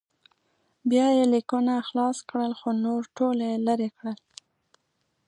بیا یې لیکونه خلاص کړل خو نور ټول یې لرې کړل.